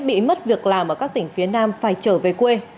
bị mất việc làm ở các tỉnh phía nam phải trở về quê